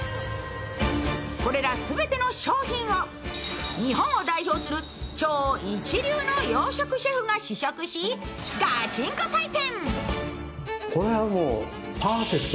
これら全ての商品を日本を代表する超一流の洋食シェフが試食しガチンコ採点。